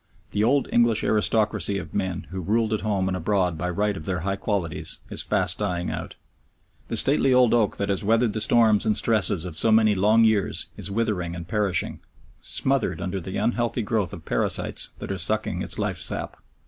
The old English aristocracy of men who ruled at home and abroad by right of their high qualities is fast dying out. The stately old oak that has weathered the storms and stresses of so many long years is withering and perishing, smothered under the unhealthy growth of parasites that are sucking its life sap.